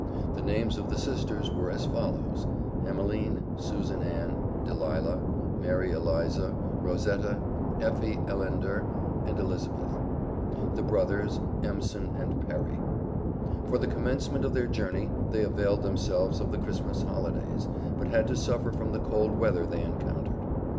The names of the sisters were as follows: Emeline, Susan Ann, Delilah, Mary Eliza, Rosetta, Effie Ellender and Elizabeth; the brothers Emson and Perry. For the commencement of their journey they availed themselves of the Christmas holidays, but had to suffer from the cold weather they encountered.